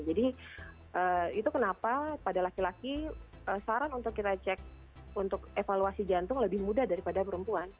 jadi itu kenapa pada laki laki saran untuk kita cek untuk evaluasi jantung lebih mudah daripada perempuan